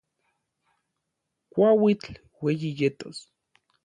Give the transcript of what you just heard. Kuauitl ueyi yetos.